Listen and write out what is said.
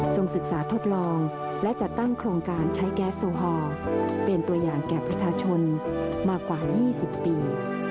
ศึกษาทดลองและจัดตั้งโครงการใช้แก๊สโซฮอลเป็นตัวอย่างแก่ประชาชนมากว่า๒๐ปี